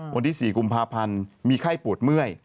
วันที่๔กุมภาพันธ์มีไข้ปวดเมื่อย